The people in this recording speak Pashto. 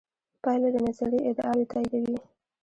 پایلې د نظریې ادعاوې تاییدوي.